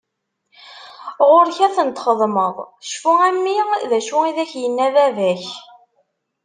Ɣur-k ad tent-xedmeḍ!! Cfu a mmi d acu i d ak-yenna baba-k.